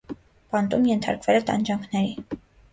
Բանտում ենթարկվել է տանջանքների։